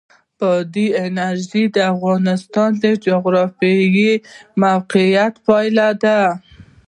بادي انرژي د افغانستان د جغرافیایي موقیعت پایله ده.